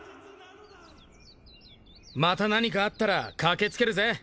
また何かあったら駆けつけるぜ・